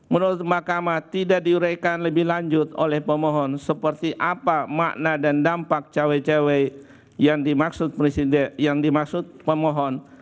menurut mahkamah tidak diuraikan lebih lanjut oleh pemohon seperti apa makna dan dampak cawe cawe yang dimaksud pemohon